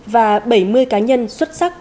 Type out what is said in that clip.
và bảy mươi cá nhân xuất sắc